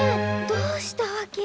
どうしたわけ？